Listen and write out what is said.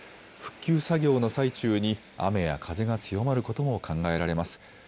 復旧作業の最中に雨や風が強まることも考えられます。